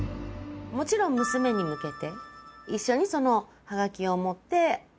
もちろん娘に向けて。